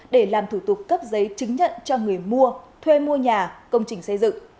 để làm thủ tục cấp giấy chứng nhận cho người mua thuê mua nhà công trình xây dựng